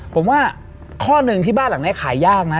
ผมว่าข้อหนึ่งที่บ้านหลังนี้ขายยากนะ